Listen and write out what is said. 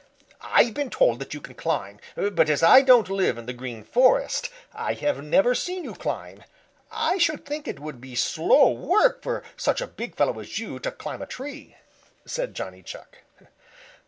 "I've been told that you can climb, but as I don't live in the Green Forest I have never seen you climb. I should think it would be slow work for such a big fellow as you to climb a tree," said Johnny Chuck.